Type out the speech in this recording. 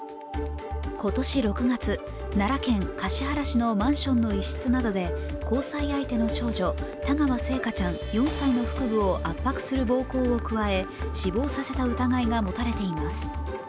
今年６月、奈良県橿原市のマンションの一室などで交際相手の長女・田川星華ちゃん４歳の腹部を圧迫する暴行を加え死亡させた疑いが持たれています。